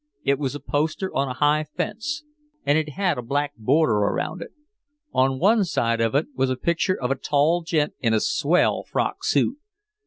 It was a poster on a high fence, and it had a black border around it. On one side of it was a picture of a tall gent in a swell frock suit.